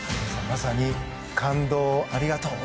まさに感動をありがとう。